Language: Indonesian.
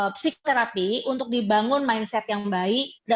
psikiterapi untuk dibangun mindset yang baik